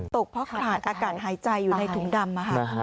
ตกเพราะขาดอากาศหายใจอยู่ในถุงดำ